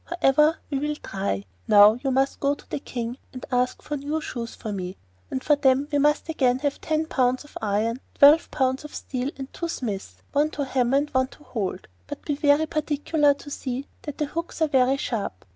However, we will try. Now you must go up to the King and ask for new shoes for me, and for them we must again have ten pounds of iron, twelve pounds of steel, and two smiths, one to hammer and one to hold, but be very particular to see that the hooks are very sharp.